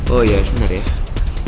oh iya sebentar ya